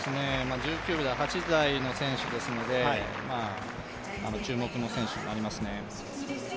１９秒８台の選手ですので、注目の選手になりますね。